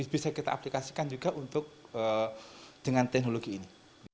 bisa kita aplikasikan juga untuk dengan teknologi ini